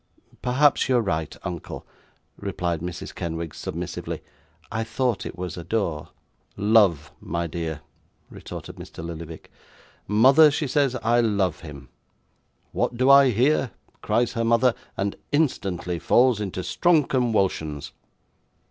'Perhaps you are right, uncle,' replied Mrs. Kenwigs, submissively. 'I thought it was "adore."' '"Love," my dear,' retorted Mr. Lillyvick. '"Mother," she says, "I love him!" "What do I hear?" cries her mother; and instantly falls into strong conwulsions.